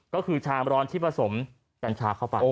ก็คือชามร้อนที่ผสมกัญชาเข้าไป